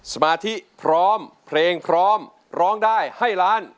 สมาธิพร้อมเพลงพร้อมร้องได้ให้ล้าน